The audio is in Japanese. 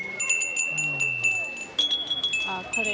あっこれ。